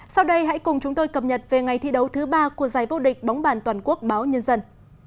sau đây hãy cùng chúng tôi cập nhật về ngày thi đấu thứ ba của giải vô địch bóng bàn toàn quốc báo nhân dân